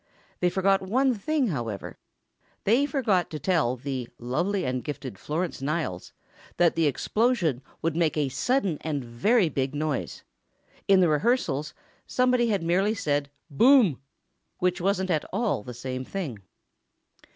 They forgot one thing, however: They forgot to tell the "lovely and gifted Florence Niles" that the explosion would make a sudden and very big noise. In the rehearsals, somebody had merely said "BOOM," which wasn't at all the same thing.